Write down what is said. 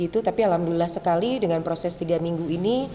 tapi alhamdulillah sekali dengan proses tiga minggu ini